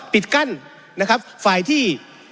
ปิดกั้นนะครับฝ่ายที่